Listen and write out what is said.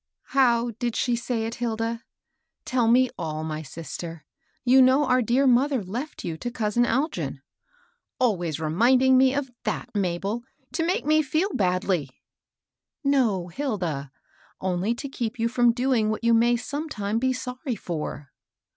How did she say it, Hilda ? Tell me all, my sister. You know our dear mother left you to cousin Algin." " Always reminding me of that^ Mabel, to make me feel badly 1 "" No, Hilda ; only to keep you from doing what you may sometime be sorry for."